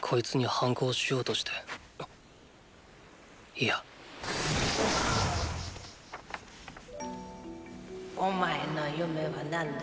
いやお前の夢は何だ？